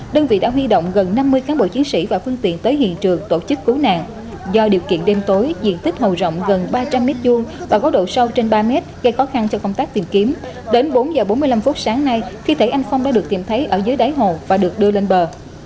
đơn vị đã huy động gần năm mươi cán bộ chiến sĩ và phương tiện tới hiện trường tổ chức cứu nạn do điều kiện đêm tối diện tích hồ rộng gần ba trăm linh m hai và có độ sâu trên ba mét gây khó khăn cho công tác tìm kiếm đến bốn h bốn mươi năm phút sáng nay thi thể anh phong đã được tìm thấy ở dưới đáy hồ và được đưa lên bờ